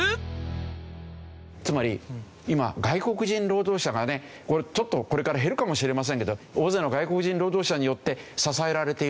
つまり今外国人労働者がねちょっとこれから減るかもしれませんけど大勢の外国人労働者によって支えられているでしょ。